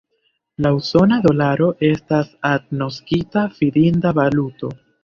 La usona dolaro estas agnoskita fidinda valuto.